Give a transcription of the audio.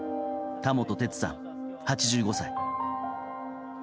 田本徹さん、８５歳。